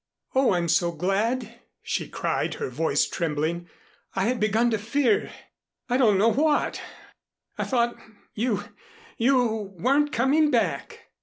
"Oh, I'm so glad," she cried, her voice trembling. "I had begun to fear I don't know what. I thought you you weren't coming back."